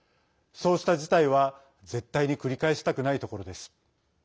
そうした事態は絶対に繰り返したくないところです。